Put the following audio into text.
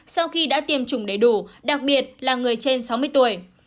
sau khi đã tiêm chủng đầy đủ đặc biệt là người trên sáu mươi tuổi